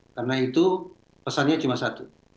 karena itu pesannya cuma satu